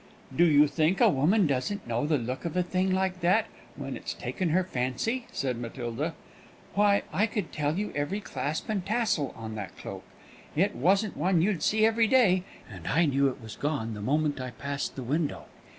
"Do you think a woman doesn't know the look of a thing like that, when it's taken her fancy?" said Matilda. "Why, I could tell you every clasp and tassel on that cloak; it wasn't one you'd see every day, and I knew it was gone the moment I passed the window.